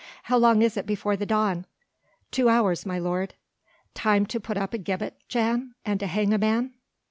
"How long is it before the dawn?" "Two hours, my lord." "Time to put up a gibbet, Jan? and to hang a man?"